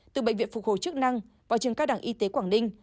từ bệnh viện phục hồi chức năng và trường các đảng y tế quảng ninh